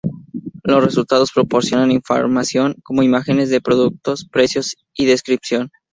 Los resultados proporcionan información, como imágenes de productos, precios y descripción.